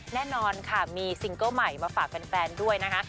แน่นอนค่ะมีซิงเกิ้ลใหม่มาฝากแฟนด้วยนะคะ